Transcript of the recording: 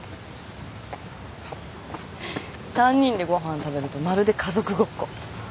３人でご飯食べるとまるで家族ごっこ。